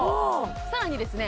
さらにですね